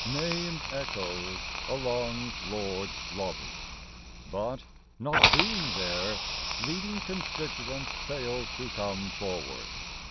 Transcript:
Name echoes along Lords' Lobby; But not being there, leading constituent fails to come forward.